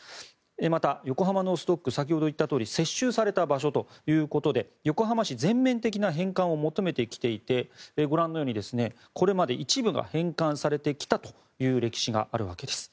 また、横浜ノース・ドック先ほど言ったとおり接収された場所ということで横浜市、全面的な返還を求めてきていてご覧のようにこれまで一部が返還されてきたという歴史があるわけです。